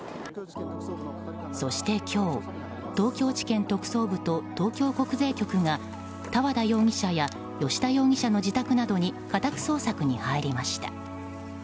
そして今日、東京地検特捜部と東京国税局が多和田容疑者や吉田容疑者の自宅などに家宅捜索に入りました。